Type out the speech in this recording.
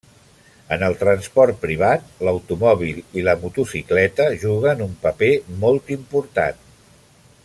En transport privat, l'automòbil i la motocicleta juguen un paper molt important.